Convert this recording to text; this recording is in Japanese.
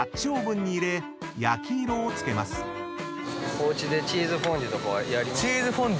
おうちでチーズフォンデュとかはやります？